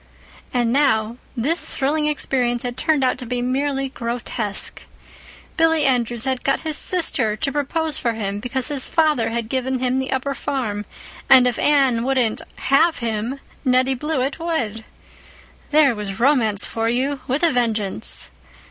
And now, this thrilling experience had turned out to be merely grotesque. Billy Andrews had got his sister to propose for him because his father had given him the upper farm; and if Anne wouldn't "have him" Nettie Blewett would. There was romance for you, with a vengeance!